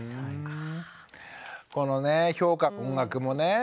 このねえ評価音楽もね。